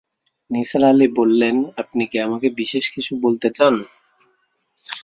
নিসার আলি বললেন, আপনি কি আমাকে বিশেষ কিছু বলতে চান?